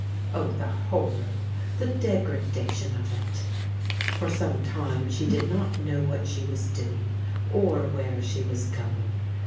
Oh, the horror, the degradation of it ! For some time she did not know what she was doing, or where she was going.